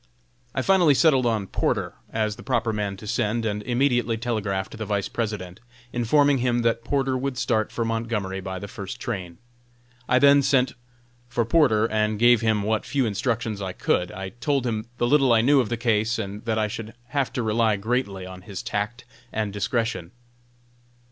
I finally settled on Porter as the proper man to send, and immediately telegraphed the Vice President, informing him that Porter would start for Montgomery by the first train. I then sent for Porter and gave him what few instructions I could. I told him the little I knew of the case, and that I should have to rely greatly on his tact and discretion.